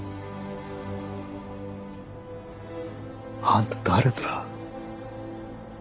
あんた誰だ？